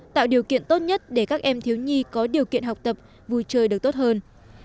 tạo điều kiện tốt nhất để các em thiếu nhi có điều kiện học tập vui chơi được tốt hơn